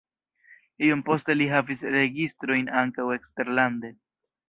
Iom poste li havis registrojn ankaŭ eksterlande.